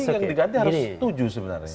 jadi yang diganti harus tujuh sebenarnya